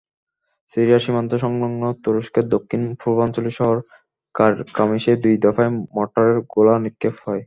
Syria সীমান্ত-সংলগ্ন তুরস্কের দক্ষিণ-পূর্বাঞ্চলীয় শহর কারকামিসে দুই দফায় মর্টারের গোলা নিক্ষেপ হয়।